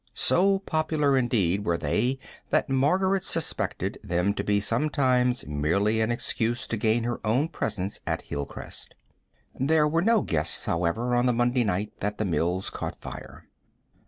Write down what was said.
So popular, indeed, were they that Margaret suspected them to be sometimes merely an excuse to gain her own presence at Hilcrest. There were no guests, however, on the Monday night that the mills caught fire.